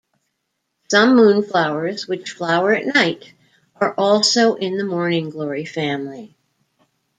Some moonflowers, which flower at night, are also in the morning glory family.